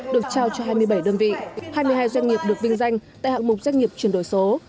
được trao cho hai mươi bảy đơn vị hai mươi hai doanh nghiệp được vinh danh tại hạng mục doanh nghiệp chuyển đổi số